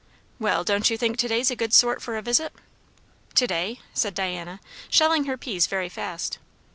"Well, don't you think to day's a good sort for a visit?" "To day?" said Diana, shelling her peas very fast.